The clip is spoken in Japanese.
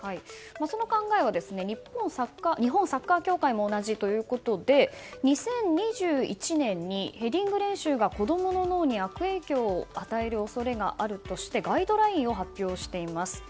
その考えは日本サッカー協会も同じということで２０２１年にヘディング練習が子供の脳に悪影響を与える恐れがあるとしてガイドラインを発表しています。